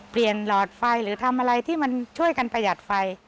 หลอดไฟหรือทำอะไรที่มันช่วยกันประหยัดไฟ